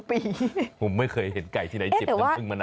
ผมไม่เคยเห็นไก่ที่ไหนเจ็บกับผึ้งมะนาว